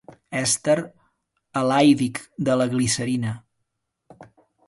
Èster elaídic de la glicerina.